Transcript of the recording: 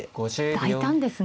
大胆ですね。